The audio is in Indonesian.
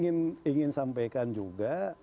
saya ingin sampaikan juga